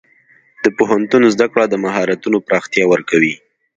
د پوهنتون زده کړه د مهارتونو پراختیا ورکوي.